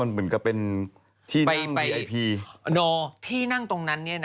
แล้วก็มีปล่อย